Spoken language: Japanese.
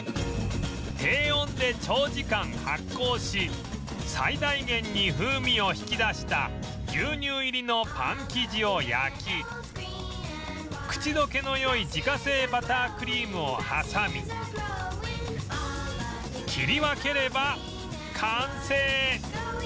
低温で長時間発酵し最大限に風味を引き出した牛乳入りのパン生地を焼き口溶けのよい自家製バタークリームを挟み切り分ければ完成